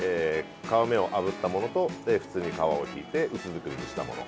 皮目をあぶったものと普通に皮を切って薄作りしたもの。